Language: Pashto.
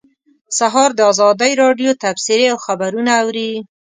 سهار د ازادۍ راډیو تبصرې او خبرونه اوري.